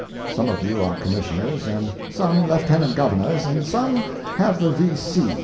Some of you are Commissioners, and some Lieutenant Governors, and some have the V. C.